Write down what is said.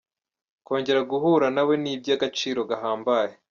Kongera guhura na we ni iby’agaciro gahambaye.